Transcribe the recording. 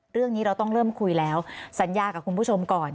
เรื่องนี้เราต้องเริ่มคุยแล้วสัญญากับคุณผู้ชมก่อน